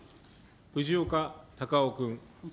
藤岡隆雄君。